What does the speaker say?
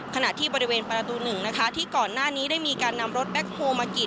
ขณะที่บริเวณประตู๑นะคะที่ก่อนหน้านี้ได้มีการนำรถแบ็คโฮลมากีด